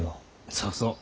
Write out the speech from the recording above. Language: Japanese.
そうそう。